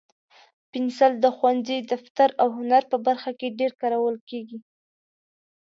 پنسل د ښوونځي، دفتر، او هنر په برخه کې ډېر کارول کېږي.